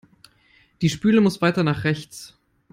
Die Spüle muss weiter nach rechts.